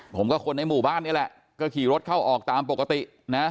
กับคนในหมู่บ้านนี่แหละก็ขี่รถเข้าออกตามปกตินะ